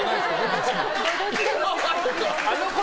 別に。